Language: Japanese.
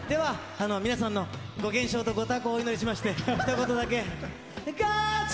皆さんのご健勝とご多幸をお祈りしまして一言だけ。